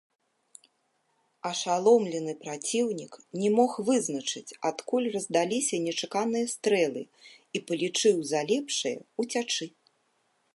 Ашаломлены праціўнік не мог вызначыць, адкуль раздаліся нечаканыя стрэлы і палічыў за лепшае ўцячы.